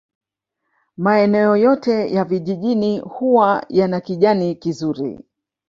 Maeneo yote ya vijijini huwa yana kijani kizuri